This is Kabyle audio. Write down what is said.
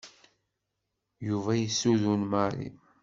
Yuba yessuden Mary.